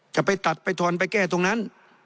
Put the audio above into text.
จะไปตัดไปทอนไปแก้ตรงนั้น